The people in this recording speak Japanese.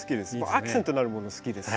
アクセントになるもの好きです。